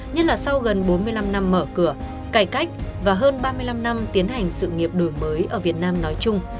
nhất là sau gần bốn mươi năm năm mở cửa cải cách và hơn ba mươi năm năm tiến hành sự nghiệp đổi mới ở việt nam nói chung